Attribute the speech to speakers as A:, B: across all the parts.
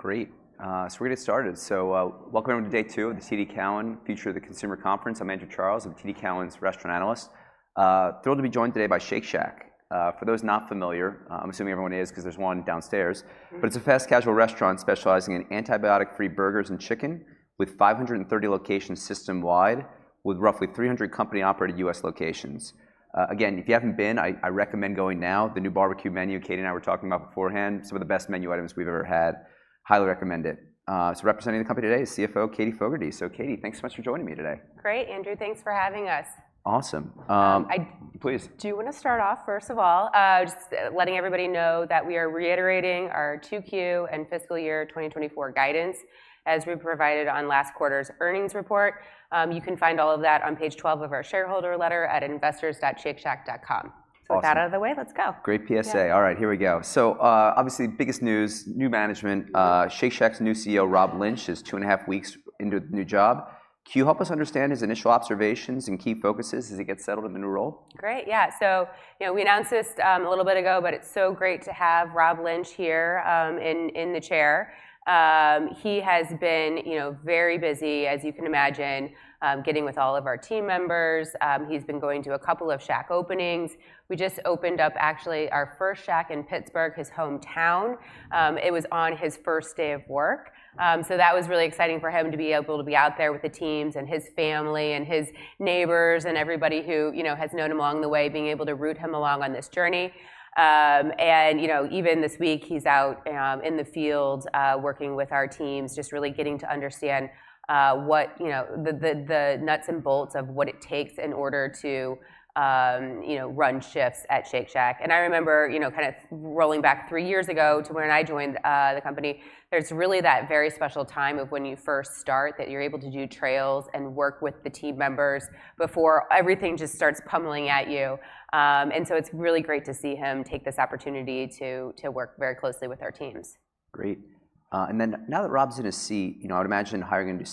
A: Great. So we're gonna get started. So, welcome everyone to day two of the TD Cowen future of the consumer conference. I'm Andrew Charles. I'm TD Cowen's restaurant analyst. Thrilled to be joined today by Shake Shack. For those not familiar, I'm assuming everyone is 'cause there's one downstairs- But it's a fast casual restaurant specializing in antibiotic-free burgers and chicken, with 530 locations system-wide, with roughly 300 company-operated U.S. locations. Again, if you haven't been, I recommend going now. The new BBQ Menu, Katie and I were talking about beforehand, some of the best menu items we've ever had, highly recommend it. So representing the company today is CFO Katie Fogertey. So Katie, thanks so much for joining me today.
B: Great, Andrew. Thanks for having us.
A: Awesome, um- Please.
B: Do you wanna start off, first of all, just letting everybody know that we are reiterating our 2Q and fiscal year 2024 guidance, as we provided on last quarter's earnings report. You can find all of that on page 12 of our shareholder letter at investors.shakeshack.com.
A: Awesome.
B: So with that out of the way, let's go.
A: Great PSA.
B: Yeah.
A: All right, here we go. So, obviously, biggest news, new management. Shake Shack's new CEO, Rob Lynch, is two and a half weeks into the new job. Can you help us understand his initial observations and key focuses as he gets settled in the new role?
B: Great, yeah. So, you know, we announced this a little bit ago, but it's so great to have Rob Lynch here in the chair. He has been, you know, very busy, as you can imagine, getting with all of our team members. He's been going to a couple of Shack openings. We just opened up, actually, our first Shack in Pittsburgh, his hometown. It was on his first day of work. So that was really exciting for him to be able to be out there with the teams and his family and his neighbors and everybody who, you know, has known him along the way, being able to root him along on this journey. And, you know, even this week, he's out in the field, working with our teams, just really getting to understand what... You know, the nuts and bolts of what it takes in order to, you know, run shifts at Shake Shack. I remember, you know, kinda rolling back 3 years ago to when I joined, the company. There's really that very special time of when you first start, that you're able to do trials and work with the team members before everything just starts pummeling at you. So it's really great to see him take this opportunity to work very closely with our teams.
A: Great. And then now that Rob's in his seat, you know, I'd imagine hiring a new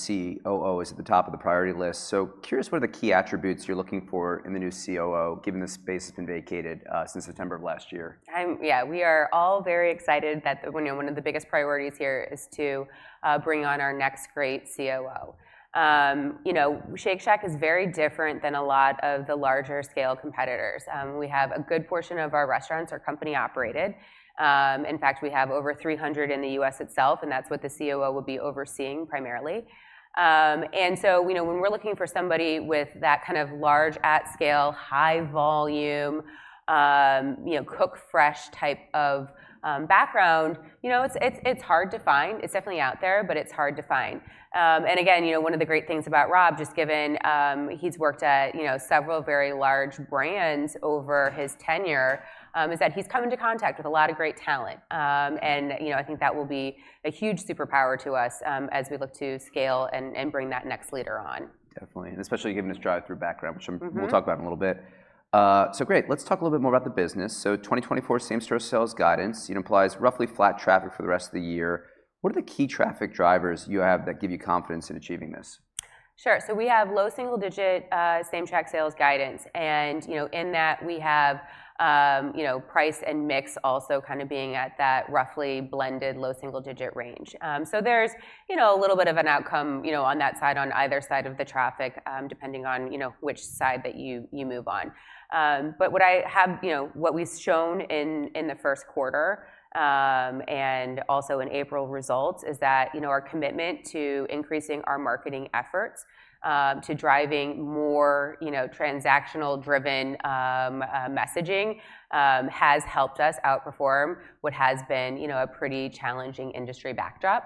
A: COO is at the top of the priority list. So curious, what are the key attributes you're looking for in the new COO, given the space has been vacated, since September of last year?
B: Yeah, we are all very excited that, you know, one of the biggest priorities here is to bring on our next great COO. You know, Shake Shack is very different than a lot of the larger scale competitors. We have a good portion of our restaurants are company operated. In fact, we have over 300 in the U.S. itself, and that's what the COO will be overseeing, primarily. And so, you know, when we're looking for somebody with that kind of large, at scale, high volume, you know, cook fresh type of background, you know, it's hard to find. It's definitely out there, but it's hard to find. And again, you know, one of the great things about Rob, just given he's worked at, you know, several very large brands over his tenure, is that he's come into contact with a lot of great talent. And, you know, I think that will be a huge superpower to us, as we look to scale and bring that next leader on.
A: Definitely, and especially given his drive-through background, which-
B: Mm-hmm...
A: we'll talk about in a little bit. So great, let's talk a little bit more about the business. So 2024 same-store sales guidance, it implies roughly flat traffic for the rest of the year. What are the key traffic drivers you have that give you confidence in achieving this?
B: Sure. So we have low single digit same-store sales guidance, and, you know, in that, we have, you know, price and mix also kind of being at that roughly blended low single digit range. So there's, you know, a little bit of an outcome, you know, on that side, on either side of the traffic, depending on, you know, which side that you move on. But what we've shown in the first quarter, and also in April results, is that, you know, our commitment to increasing our marketing efforts, to driving more, you know, transactional-driven messaging, has helped us outperform what has been, you know, a pretty challenging industry backdrop.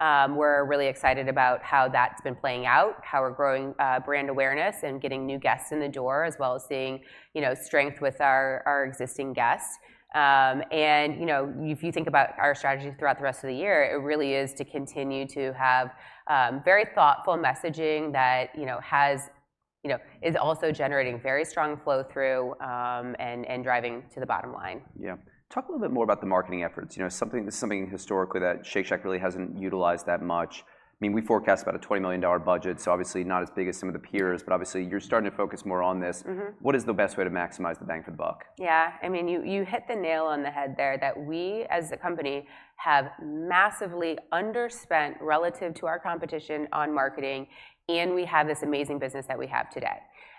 B: We're really excited about how that's been playing out, how we're growing brand awareness and getting new guests in the door, as well as seeing, you know, strength with our existing guests. You know, if you think about our strategy throughout the rest of the year, it really is to continue to have very thoughtful messaging that, you know, is also generating very strong flow-through, and driving to the bottom line.
A: Yeah. Talk a little bit more about the marketing efforts. You know, this is something historically that Shake Shack really hasn't utilized that much. I mean, we forecast about a $20 million budget, so obviously, not as big as some of the peers, but obviously, you're starting to focus more on this.
B: Mm-hmm.
A: What is the best way to maximize the bang for the buck?
B: Yeah, I mean, you, you hit the nail on the head there, that we, as a company, have massively underspent relative to our competition on marketing, and we have this amazing business that we have today.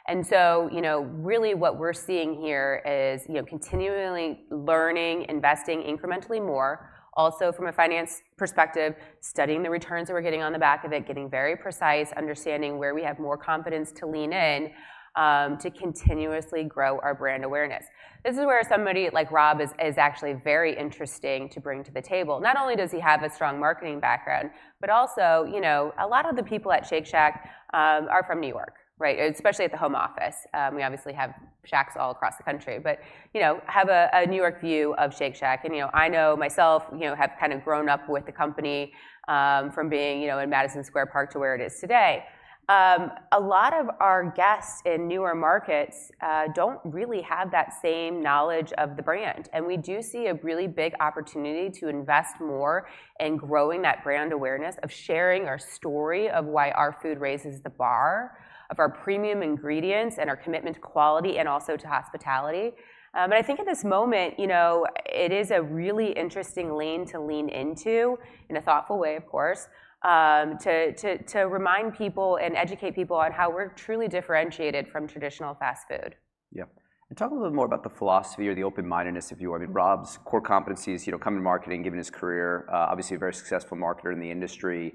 B: And so, you know, really what we're seeing here is, you know, continually learning, investing incrementally more. Also, from a finance perspective, studying the returns that we're getting on the back of it, getting very precise, understanding where we have more confidence to lean in, to continuously grow our brand awareness. This is where somebody like Rob is, is actually very interesting to bring to the table. Not only does he have a strong marketing background, but also, you know, a lot of the people at Shake Shack, are from New York, right? Especially at the home office. We obviously have Shacks all across the country, but you know, have a New York view of Shake Shack. And you know, I know myself, you know, have kinda grown up with the company, from being, you know, in Madison Square Park to where it is today. A lot of our guests in newer markets don't really have that same knowledge of the brand, and we do see a really big opportunity to invest more in growing that brand awareness, of sharing our story of why our food raises the bar, of our premium ingredients and our commitment to quality and also to hospitality. I think at this moment, you know, it is a really interesting lane to lean into, in a thoughtful way, of course, to remind people and educate people on how we're truly differentiated from traditional fast food.
A: Yeah. And talk a little more about the philosophy or the open-mindedness, if you will. I mean, Rob's core competencies, you know, come to marketing, given his career, obviously a very successful marketer in the industry.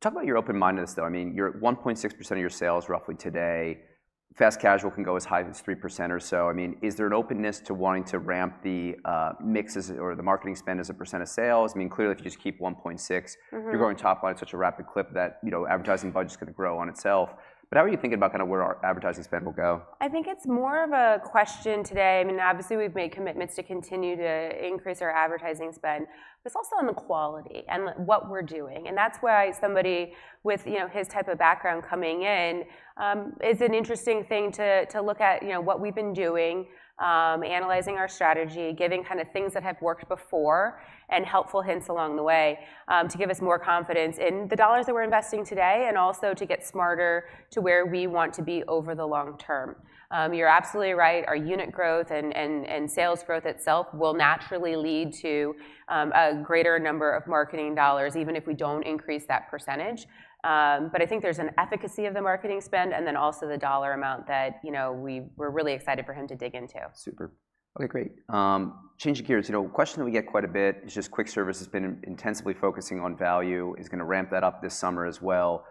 A: Talk about your open-mindedness, though. I mean, you're at 1.6% of your sales roughly today. Fast casual can go as high as 3% or so. I mean, is there an openness to wanting to ramp the mixes or the marketing spend as a percent of sales? I mean, clearly, if you just keep 1.6% you're growing top line at such a rapid clip that, you know, advertising budget's gonna grow on itself. But how are you thinking about kinda where our advertising spend will go?
B: I think it's more of a question today, I mean, obviously, we've made commitments to continue to increase our advertising spend. It's also on the quality and what we're doing, and that's why somebody with, you know, his type of background coming in, is an interesting thing to look at, you know, what we've been doing. Analyzing our strategy, giving kinda things that have worked before, and helpful hints along the way, to give us more confidence in the dollars that we're investing today, and also to get smarter to where we want to be over the long term. You're absolutely right, our unit growth and sales growth itself will naturally lead to a greater number of marketing dollars, even if we don't increase that percentage. I think there's an efficacy of the marketing spend, and then also the dollar amount that, you know, we're really excited for him to dig into.
A: Super. Okay, great. Changing gears, you know, a question that we get quite a bit is just Quick Service has been intensively focusing on value, is gonna ramp that up this summer as well.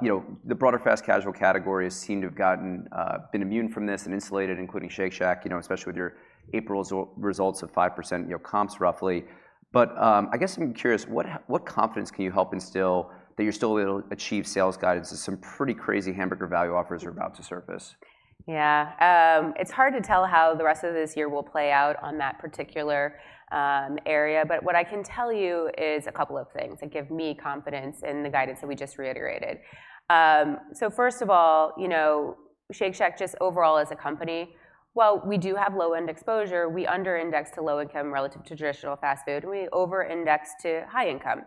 A: You know, the broader Fast Casual category has seemed to have gotten, been immune from this and insulated, including Shake Shack, you know, especially with your April results of 5%, you know, comps roughly. But, I guess I'm curious, what, what confidence can you help instill that you're still able to achieve sales guidance as some pretty crazy hamburger value offers are about to surface?
B: Yeah, it's hard to tell how the rest of this year will play out on that particular area, but what I can tell you is a couple of things that give me confidence in the guidance that we just reiterated. So first of all, you know, Shake Shack, just overall as a company, while we do have low-end exposure, we under-index to low income relative to traditional fast food. We over-index to high income.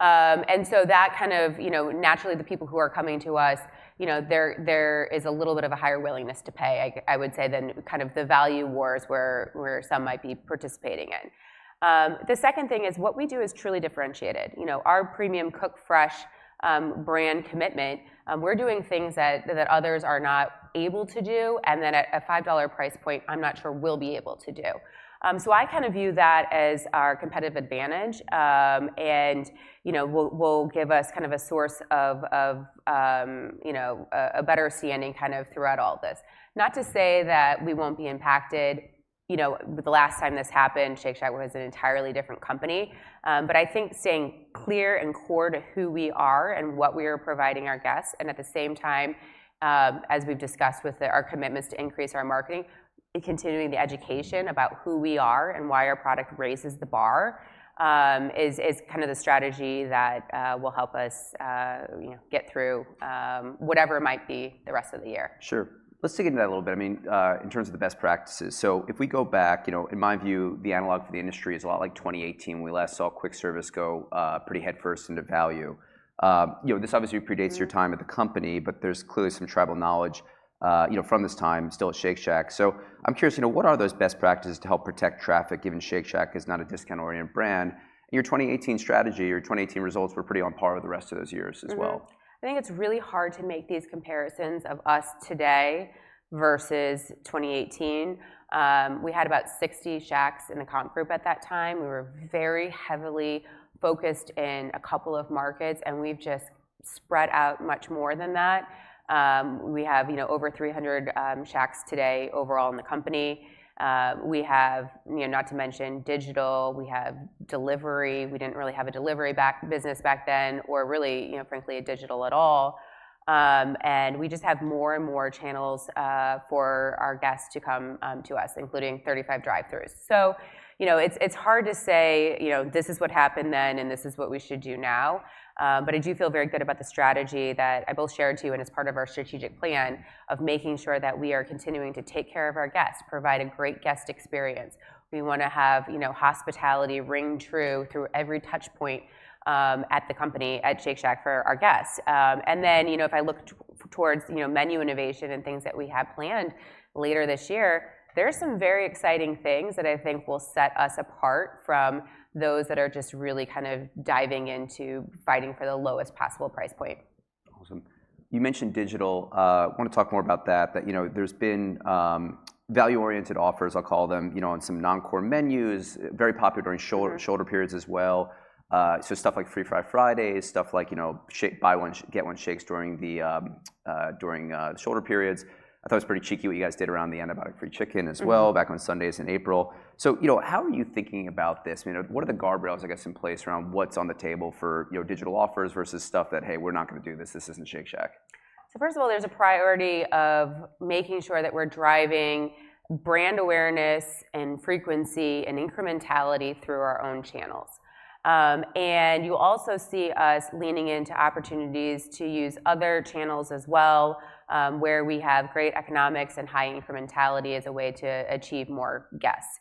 B: And so that kind of, you know, naturally, the people who are coming to us, you know, there is a little bit of a higher willingness to pay, I would say, than kind of the value wars where some might be participating in. The second thing is, what we do is truly differentiated. You know, our premium cook fresh brand commitment, we're doing things that others are not able to do, and then at a $5 price point, I'm not sure we'll be able to do. So I kind of view that as our competitive advantage, and you know, will give us kind of a source of, you know, a better standing kind of throughout all this. Not to say that we won't be impacted. You know, the last time this happened, Shake Shack was an entirely different company. But I think staying clear and core to who we are and what we are providing our guests, and at the same time, as we've discussed with our commitments to increase our marketing, and continuing the education about who we are and why our product raises the bar, is kind of the strategy that will help us, you know, get through whatever might be the rest of the year.
A: Sure. Let's dig into that a little bit, I mean, in terms of the best practices. So if we go back, you know, in my view, the analog for the industry is a lot like 2018, we last saw Quick Service go pretty headfirst into value. You know, this obviously predates your time at the company, but there's clearly some tribal knowledge, you know, from this time, still at Shake Shack. So I'm curious, you know, what are those best practices to help protect traffic, given Shake Shack is not a discount-oriented brand? Your 2018 strategy or your 2018 results were pretty on par with the rest of those years as well.
B: I think it's really hard to make these comparisons of us today versus 2018. We had about 60 Shacks in the comp group at that time. We were very heavily focused in a couple of markets, and we've just spread out much more than that. We have, you know, over 300 Shacks today overall in the company. We have, you know, not to mention digital. We have delivery. We didn't really have a delivery business back then or really, you know, frankly, a digital at all. And we just have more and more channels for our guests to come to us, including 35 drive-throughs. So, you know, it's hard to say, you know, this is what happened then, and this is what we should do now. But I do feel very good about the strategy that I both shared to you, and it's part of our strategic plan of making sure that we are continuing to take care of our guests, provide a great guest experience. We wanna have, you know, hospitality ring true through every touch point, at the company, at Shake Shack for our guests. And then, you know, if I look towards, you know, menu innovation and things that we have planned later this year, there are some very exciting things that I think will set us apart from those that are just really kind of diving into fighting for the lowest possible price point.
A: Awesome. You mentioned digital. I wanna talk more about that. But, you know, there's been value-oriented offers, I'll call them, you know, on some non-core menus, very popular during shoulder periods as well. So stuff like Free Fry Fridays, stuff like, you know, shake, buy one, get one shakes during the shoulder periods. I thought it was pretty cheeky what you guys did around the antibiotic-free chicken as well back on Sundays in April. So, you know, how are you thinking about this? You know, what are the guardrails, I guess, in place around what's on the table for, you know, digital offers versus stuff that, hey, we're not gonna do this, this isn't Shake Shack?
B: So first of all, there's a priority of making sure that we're driving brand awareness and frequency and incrementality through our own channels. And you'll also see us leaning into opportunities to use other channels as well, where we have great economics and high incrementality as a way to achieve more guests.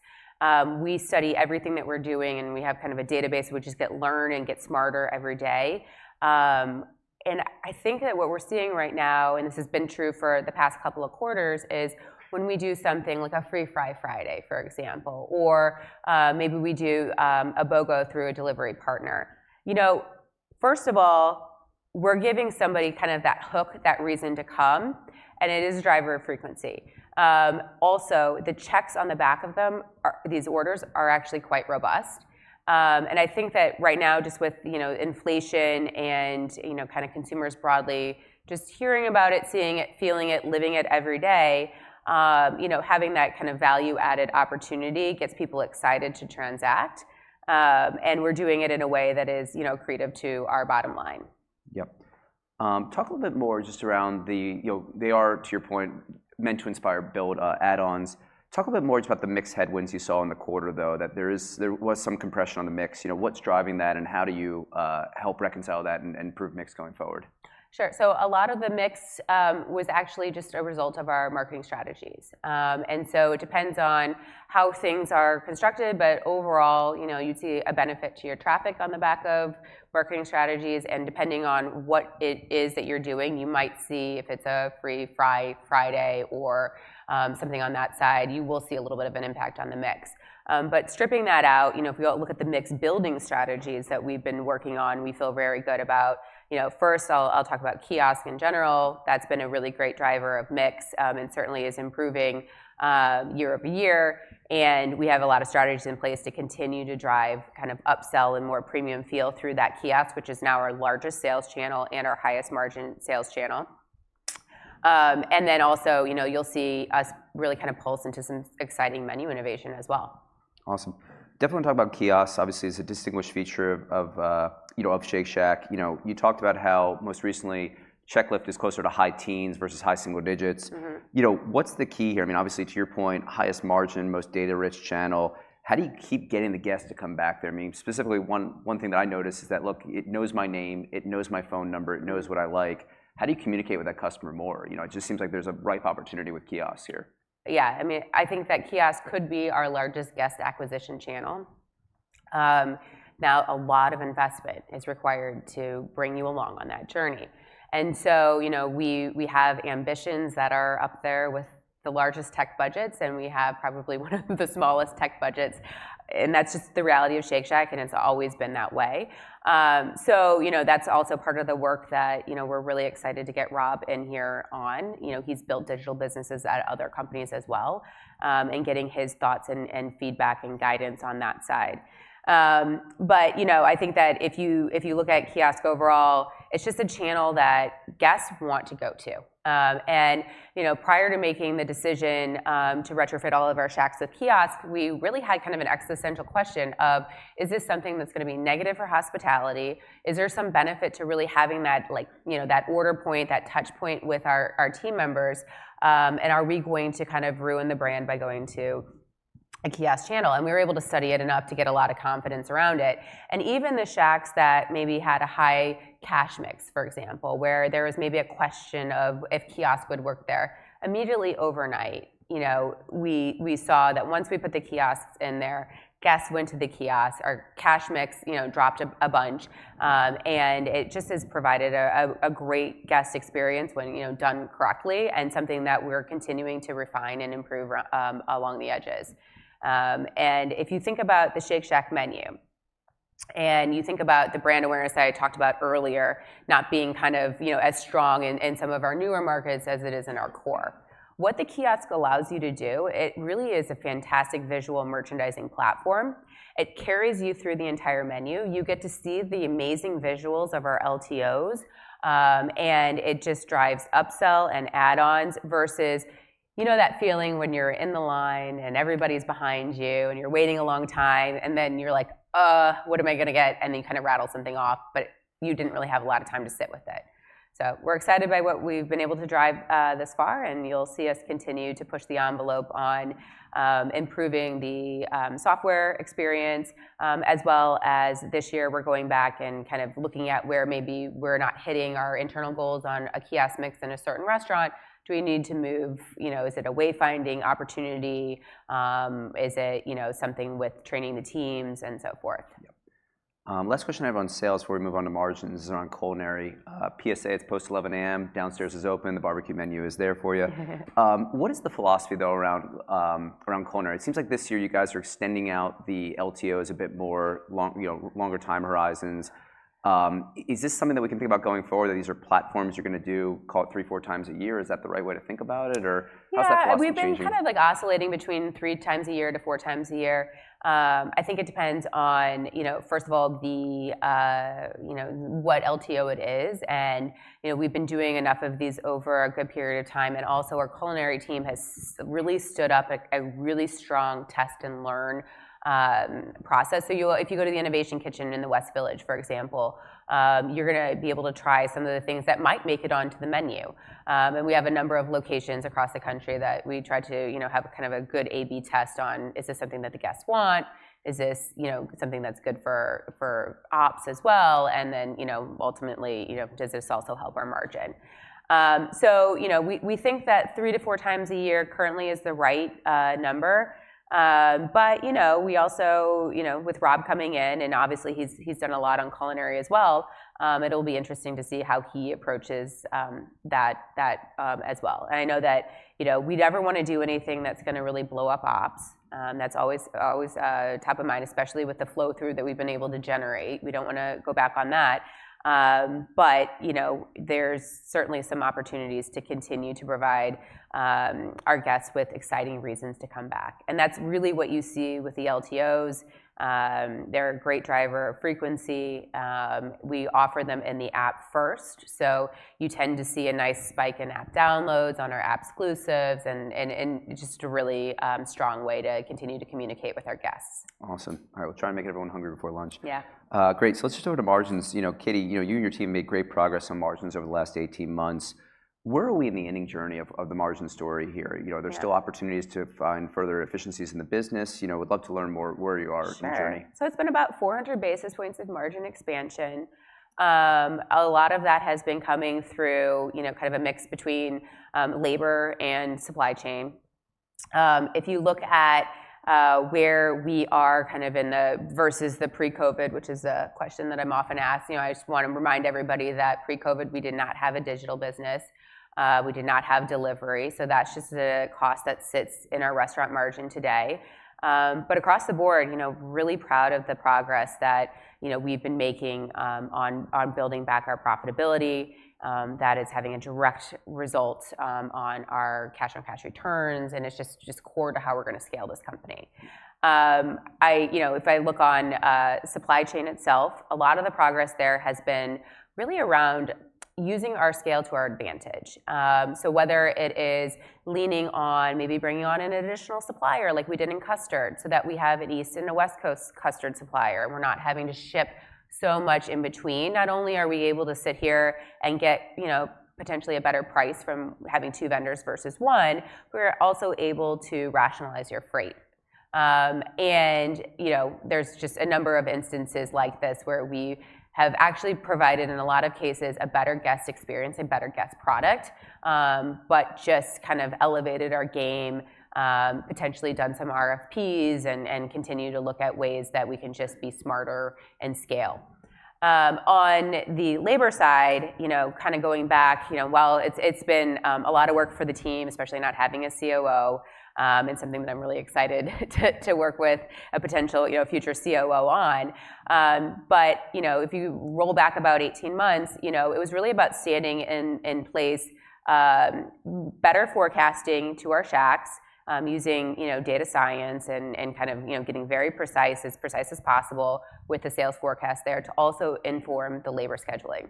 B: We study everything that we're doing, and we have kind of a database which just get learned and get smarter every day. And I think that what we're seeing right now, and this has been true for the past couple of quarters, is when we do something like a Free Fry Friday, for example, or maybe we do a BOGO through a delivery partner. You know, first of all, we're giving somebody kind of that hook, that reason to come, and it is a driver of frequency. Also, these orders are actually quite robust. And I think that right now, just with, you know, inflation and, you know, kind of consumers broadly, just hearing about it, seeing it, feeling it, living it every day, you know, having that kind of value-added opportunity gets people excited to transact. And we're doing it in a way that is, you know, creative to our bottom line.
A: Yep. Talk a little bit more just around the, you know, they are, to your point, meant to inspire build add-ons. Talk a bit more about the mix headwinds you saw in the quarter, though, that there was some compression on the mix. You know, what's driving that, and how do you help reconcile that and improve mix going forward?
B: Sure. So a lot of the mix was actually just a result of our marketing strategies. And so it depends on how things are constructed, but overall, you know, you'd see a benefit to your traffic on the back of marketing strategies, and depending on what it is that you're doing, you might see if it's a free Fry Friday or something on that side, you will see a little bit of an impact on the mix. But stripping that out, you know, if you look at the mix building strategies that we've been working on, we feel very good about. You know, first, I'll talk about kiosk in general. That's been a really great driver of mix, and certainly is improving, year-over-year, and we have a lot of strategies in place to continue to drive, kind of, upsell and more premium feel through that kiosk, which is now our largest sales channel and our highest margin sales channel. And then also, you know, you'll see us really kind of pulse into some exciting menu innovation as well.
A: Awesome. Definitely talk about kiosks. Obviously, it's a distinguished feature of, you know, of Shake Shack. You know, you talked about how, most recently, check lift is closer to high teens versus high single digits. You know, what's the key here? I mean, obviously, to your point, highest margin, most data-rich channel. How do you keep getting the guests to come back there? I mean, specifically, one thing that I noticed is that, look, it knows my name, it knows my phone number, it knows what I like. How do you communicate with that customer more? You know, it just seems like there's a ripe opportunity with kiosks here.
B: Yeah. I mean, I think that kiosks could be our largest guest acquisition channel. Now, a lot of investment is required to bring you along on that journey. And so, you know, we have ambitions that are up there with the largest tech budgets, and we have probably one of the smallest tech budgets, and that's just the reality of Shake Shack, and it's always been that way. So, you know, that's also part of the work that, you know, we're really excited to get Rob in here on. You know, he's built digital businesses at other companies as well, and getting his thoughts and feedback and guidance on that side. But, you know, I think that if you look at kiosk overall, it's just a channel that guests want to go to. You know, prior to making the decision to retrofit all of our Shacks with kiosks, we really had kind of an existential question of: Is this something that's gonna be negative for hospitality? Is there some benefit to really having that, like, you know, that order point, that touch point with our, our team members, and are we going to kind of ruin the brand by going to a kiosk channel? We were able to study it enough to get a lot of confidence around it. Even the Shacks that maybe had a high cash mix, for example, where there was maybe a question of if kiosk would work there, immediately overnight, you know, we saw that once we put the kiosks in there, guests went to the kiosks. Our cash mix, you know, dropped a bunch. And it just has provided a great guest experience when, you know, done correctly, and something that we're continuing to refine and improve along the edges. And if you think about the Shake Shack menu, and you think about the brand awareness that I talked about earlier, not being kind of, you know, as strong in some of our newer markets as it is in our core. What the kiosk allows you to do, it really is a fantastic visual merchandising platform. It carries you through the entire menu. You get to see the amazing visuals of our LTOs, and it just drives upsell and add-ons versus, you know that feeling when you're in the line, and everybody's behind you, and you're waiting a long time, and then you're like, "Uh, what am I gonna get?" And you kind of rattle something off, but you didn't really have a lot of time to sit with it. So we're excited by what we've been able to drive this far, and you'll see us continue to push the envelope on improving the software experience, as well as this year, we're going back and kind of looking at where maybe we're not hitting our internal goals on a kiosk mix in a certain restaurant. Do we need to move? You know, is it a way-finding opportunity? Is it, you know, something with training the teams and so forth.
A: Last question I have on sales before we move on to margins around culinary. PSA, it's after 11 A.M., downstairs is open, the barbecue menu is there for you. What is the philosophy, though, around culinary? It seems like this year you guys are extending out the LTOs a bit more, you know, longer time horizons. Is this something that we can think about going forward, that these are platforms you're gonna do, call it three, 4x a year? Is that the right way to think about it, or how's that philosophy changing?
B: Yeah, we've been kind of, like, oscillating between 3x a year to 4x a year. I think it depends on, you know, first of all, the, you know, what LTO it is, and, you know, we've been doing enough of these over a good period of time, and also our culinary team has really stood up a really strong test-and-learn process. So if you go to the innovation kitchen in the West Village, for example, you're gonna be able to try some of the things that might make it onto the menu. And we have a number of locations across the country that we try to, you know, have kind of a good A/B test on, Is this something that the guests want? Is this, you know, something that's good for ops as well. And then, you know, ultimately, you know, does this also help our margin? So, you know, we, we think that 3x-4x a year currently is the right, number. But, you know, we also... You know, with Rob coming in, and obviously he's, he's done a lot on culinary as well, it'll be interesting to see how he approaches, that, that, as well. And I know that, you know, we'd never wanna do anything that's gonna really blow up ops. That's always, always, top of mind, especially with the flow-through that we've been able to generate. We don't wanna go back on that. But, you know, there's certainly some opportunities to continue to provide, our guests with exciting reasons to come back, and that's really what you see with the LTOs. They're a great driver of frequency. We offer them in the app first, so you tend to see a nice spike in app downloads on our app exclusives, and just a really strong way to continue to communicate with our guests.
A: Awesome. All right, we'll try and make everyone hungry before lunch.
B: Yeah.
A: Great, so let's just go to margins. You know, Katie, you know, you and your team made great progress on margins over the last 18 months. Where are we in the innings journey of the margin story here?
B: Yeah.
A: You know, are there still opportunities to find further efficiencies in the business? You know, we'd love to learn more, where you are in your journey?
B: Sure. So it's been about 400 basis points of margin expansion. A lot of that has been coming through, you know, kind of a mix between labor and supply chain. If you look at where we are kind of in the versus the pre-COVID, which is a question that I'm often asked. You know, I just wanna remind everybody that pre-COVID, we did not have a digital business, we did not have delivery, so that's just a cost that sits in our restaurant margin today. But across the board, you know, really proud of the progress that, you know, we've been making on building back our profitability. That is having a direct result on our cash-on-cash returns, and it's just core to how we're gonna scale this company. You know, if I look on supply chain itself, a lot of the progress there has been really around using our scale to our advantage. So whether it is leaning on maybe bringing on an additional supplier, like we did in custard, so that we have an East Coast and a West Coast custard supplier, and we're not having to ship so much in between. Not only are we able to sit here and get, you know, potentially a better price from having two vendors versus one, we're also able to rationalize your freight. And, you know, there's just a number of instances like this, where we have actually provided, in a lot of cases, a better guest experience and better guest product. But just kind of elevated our game, potentially done some RFPs and, and continue to look at ways that we can just be smarter and scale. On the labor side, you know, kinda going back, you know, while it's, it's been a lot of work for the team, especially not having a COO, it's something that I'm really excited to, to work with a potential, you know, future COO on. But, you know, if you roll back about 18 months, you know, it was really about standing in, in place, better forecasting to our Shacks, using, you know, data science and, and kind of, you know, getting very precise, as precise as possible with the sales forecast there, to also inform the labor scheduling.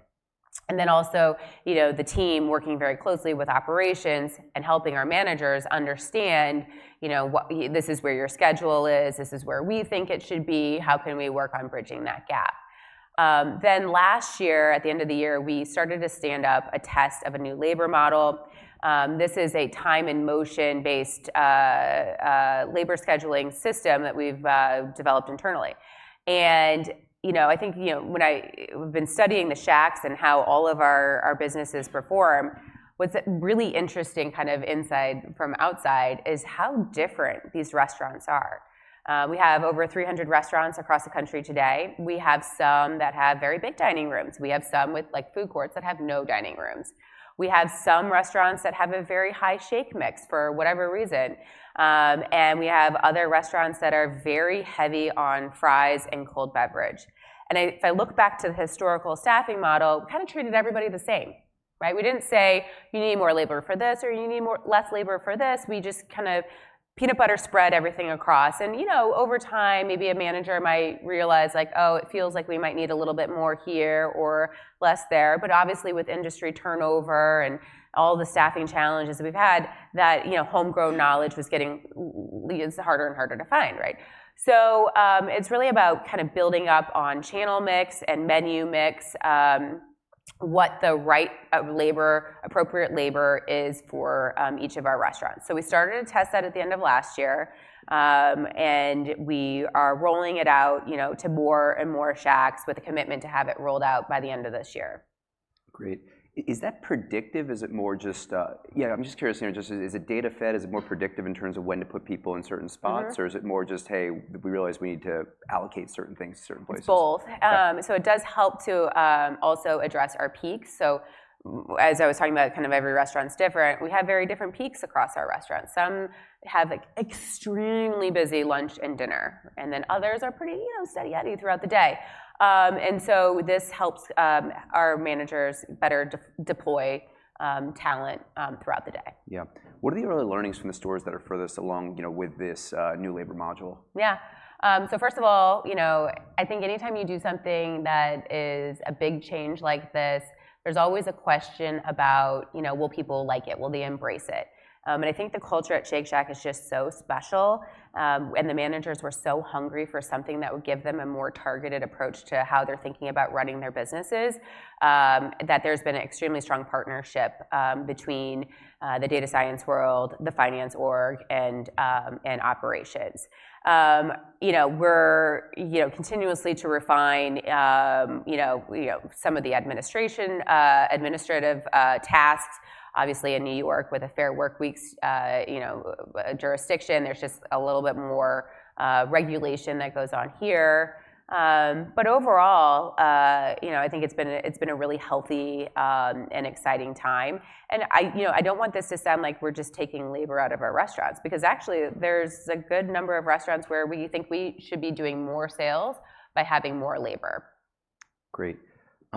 B: Then also, you know, the team working very closely with operations and helping our managers understand, you know, what-- "This is where your schedule is, this is where we think it should be. How can we work on bridging that gap?" Then last year, at the end of the year, we started to stand up a test of a new labor model. This is a time and motion-based labor scheduling system that we've developed internally. And, you know, I think, you know, we've been studying the Shacks and how all of our businesses perform, what's really interesting kind of inside, from outside, is how different these restaurants are. We have over 300 restaurants across the country today. We have some that have very big dining rooms. We have some with, like, food courts that have no dining rooms. We have some restaurants that have a very high shake mix, for whatever reason. And we have other restaurants that are very heavy on fries and cold beverage. And if I look back to the historical staffing model, kinda treated everybody the same, right? We didn't say, "You need more labor for this," or, "You need less labor for this," we just kind of peanut butter spread everything across. And, you know, over time, maybe a manager might realize, like, "Oh, it feels like we might need a little bit more here or less there." But obviously, with industry turnover and all the staffing challenges that we've had, that, you know, homegrown knowledge becomes harder and harder to find, right? So, it's really about kind of building up on channel mix and menu mix, what the right appropriate labor is for each of our restaurants. We started to test that at the end of last year. We are rolling it out, you know, to more and more Shacks, with a commitment to have it rolled out by the end of this year.
A: Great. Is that predictive, is it more just? Yeah, I'm just curious, you know, just is it data-fed? Is it more predictive in terms of when to put people in certain spots? or is it more just, "Hey, we realize we need to allocate certain things to certain places?
B: So it does help to also address our peaks. So as I was talking about, kind of every restaurant's different, we have very different peaks across our restaurants. Some have, like, extremely busy lunch and dinner, and then others are pretty, you know, steady eddy throughout the day. And so this helps our managers better deploy talent throughout the day.
A: Yeah. What are the early learnings from the stores that are furthest along, you know, with this new labor module?
B: Yeah. So first of all, you know, I think anytime you do something that is a big change like this, there's always a question about, you know, will people like it? Will they embrace it? And I think the culture at Shake Shack is just so special, and the managers were so hungry for something that would give them a more targeted approach to how they're thinking about running their businesses, that there's been an extremely strong partnership between the data science world, the finance org, and operations. You know, we're, you know, continuously to refine, you know, some of the administrative tasks. Obviously, in New York, with a Fair Workweek's jurisdiction, there's just a little bit more regulation that goes on here. But overall, you know, I think it's been a really healthy and exciting time. And I, you know, I don't want this to sound like we're just taking labor out of our restaurants, because actually, there's a good number of restaurants where we think we should be doing more sales by having more labor.
A: Great.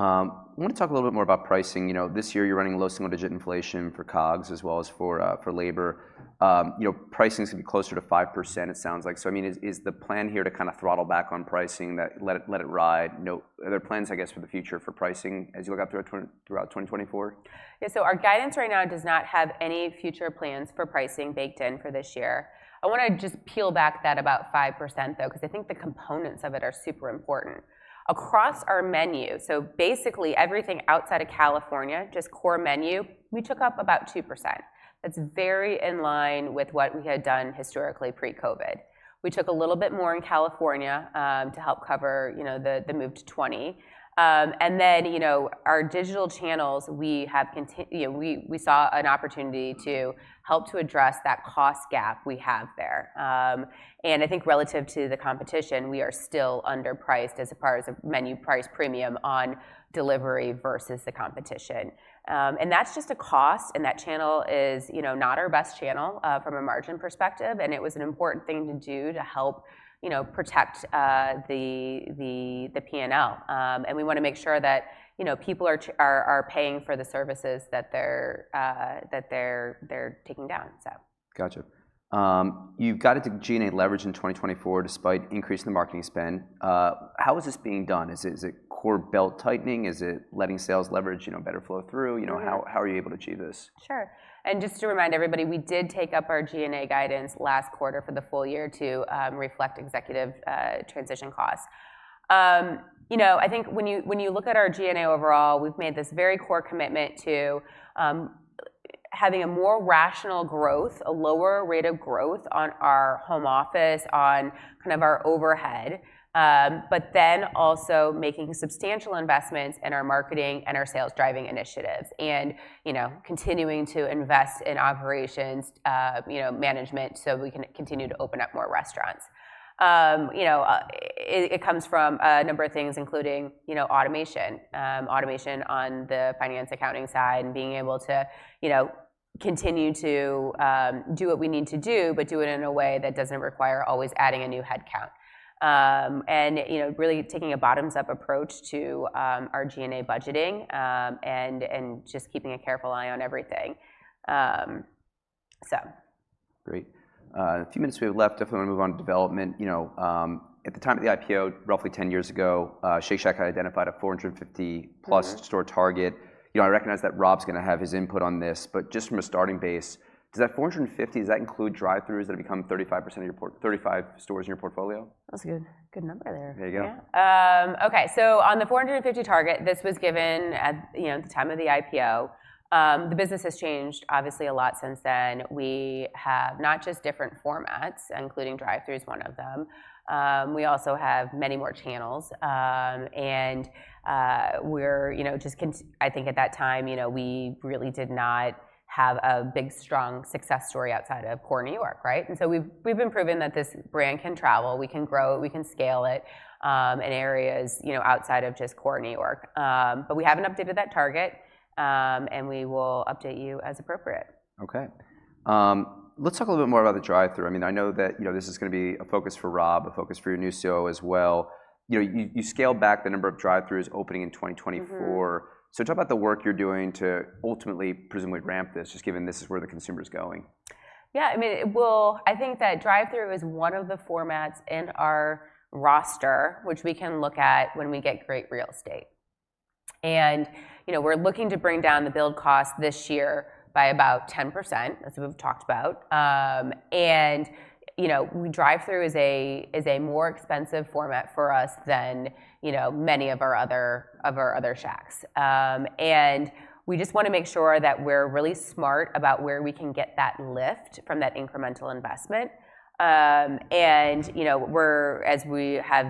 A: I want to talk a little bit more about pricing. You know, this year you're running low single-digit inflation for COGS as well as for labor. You know, pricing's gonna be closer to 5%, it sounds like. So, I mean, is the plan here to kind of throttle back on pricing, let it ride? No. Are there plans, I guess, for the future for pricing as you look out throughout 2024?
B: Yeah, so our guidance right now does not have any future plans for pricing baked in for this year. I wanna just peel back that about 5%, though, 'cause I think the components of it are super important, across our menu, so basically everything outside of California, just core menu, we took up about 2%. That's very in line with what we had done historically pre-COVID. We took a little bit more in California to help cover, you know, the move to 20. And then, you know, our digital channels, you know, we saw an opportunity to help to address that cost gap we have there. And I think relative to the competition, we are still underpriced as far as a menu price premium on delivery versus the competition. And that's just a cost, and that channel is, you know, not our best channel from a margin perspective, and it was an important thing to do to help, you know, protect the P&L. And we wanna make sure that, you know, people are paying for the services that they're taking down, so.
A: Gotcha. You've guided to G&A leverage in 2024 despite increasing the marketing spend. How is this being done? Is it, is it core belt tightening? Is it letting sales leverage, you know, better flow through? You know, how are you able to achieve this?
B: Sure. And just to remind everybody, we did take up our G&A guidance last quarter for the full year to reflect executive transition costs. You know, I think when you look at our G&A overall, we've made this very core commitment to having a more rational growth, a lower rate of growth on our home office, on kind of our overhead. But then also making substantial investments in our marketing and our sales-driving initiatives and, you know, continuing to invest in operations management, so we can continue to open up more restaurants. You know, it comes from a number of things, including, you know, automation. Automation on the finance accounting side and being able to, you know, continue to, do what we need to do, but do it in a way that doesn't require always adding a new headcount. And, you know, really taking a bottoms-up approach to, our G&A budgeting, and, and just keeping a careful eye on everything. So...
A: Great. In the few minutes we have left, I wanna move on to development. You know, at the time of the IPO, roughly 10 years ago, Shake Shack had identified a 450+ store target. You know, I recognize that Rob's gonna have his input on this, but just from a starting base, does that 450, does that include drive-throughs that have become 35% of your portfolio, 35 stores in your portfolio?
B: That's a good, good number there.
A: There you go.
B: Yeah. Okay, so on the 450 target, this was given at, you know, the time of the IPO. The business has changed, obviously, a lot since then. We have not just different formats, including drive-through is one of them. We also have many more channels. And, we're, you know, just—I think at that time, you know, we really did not have a big, strong success story outside of core New York, right? And so we've, we've been proven that this brand can travel, we can grow it, we can scale it, in areas, you know, outside of just core New York. But we haven't updated that target, and we will update you as appropriate.
A: Okay. Let's talk a little bit more about the drive-through. I mean, I know that, you know, this is gonna be a focus for Rob, a focus for your new CEO as well. You know, you scaled back the number of drive-throughs opening in 2024. Talk about the work you're doing to ultimately presumably ramp this, just given this is where the consumer is going.
B: Yeah, I mean, it will... I think that drive-through is one of the formats in our roster, which we can look at when we get great real estate. And, you know, we're looking to bring down the build cost this year by about 10%. That's what we've talked about. And, you know, drive-through is a more expensive format for us than, you know, many of our other Shacks. And we just wanna make sure that we're really smart about where we can get that lift from that incremental investment. And, you know, we're, as we have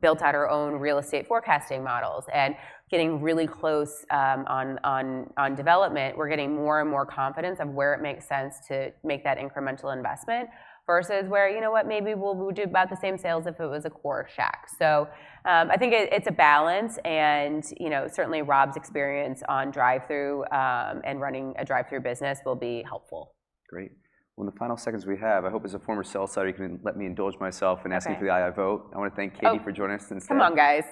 B: built out our own real estate forecasting models and getting really close on development, we're getting more and more confidence of where it makes sense to make that incremental investment versus where, you know what, maybe we'll do about the same sales if it was a core Shack. So, I think it's a balance, and, you know, certainly Rob's experience on drive-through and running a drive-through business will be helpful.
A: Great. Well, in the final seconds we have, I hope as a former sell-sider, you can let me indulge myself in asking for the aye vote. I wanna thank Katie for joining us today.
B: Oh, come on, guys!